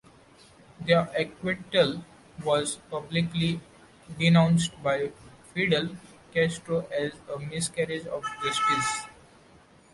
Their acquittal was publicly denounced by Fidel Castro as a miscarriage of justice.